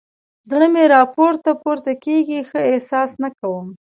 زړه مې راپورته پورته کېږي؛ ښه احساس نه کوم.